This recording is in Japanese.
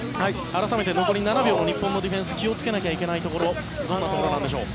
改めて残り７秒の日本のディフェンス気をつけなきゃいけないところどんなところなんでしょう。